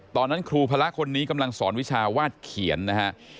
ตอนนั้นครูพระคนนี้กำลังสอนวิชาวาดเขียนนะฮะ